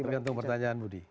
tergantung pertanyaan budi